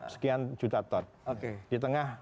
sekian juta ton di tengah